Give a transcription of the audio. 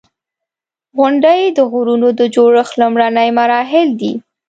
• غونډۍ د غرونو د جوړښت لومړني مراحل دي.